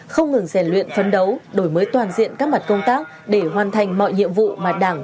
không ngừng rèn luyện phấn đấu đổi mới toàn diện các mặt công tác để hoàn thành mọi nhiệm vụ mà đảng